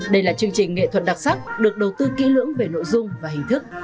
đây là chương trình nghệ thuật đặc sắc được đầu tư kỹ lưỡng về nội dung và hình thức